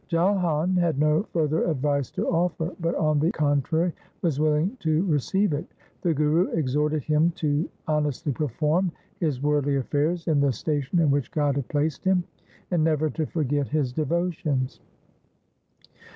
Jalhan had no further advice to offer, but on the contrary was willing to receive it. The Guru ex horted him to honestly perform his worldly affairs in the station in which God had placed him, and never to forget his devotions.